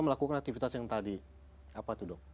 melakukan aktivitas yang tadi apa tuh dok